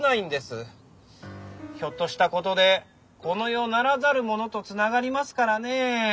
ひょっとしたことでこの世ならざるものとつながりますからねェー。